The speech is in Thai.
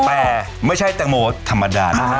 แต่ไม่ใช่แตงโมธรรมดานะฮะ